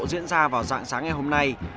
diễn ra vào dạng sáng ngày hôm nay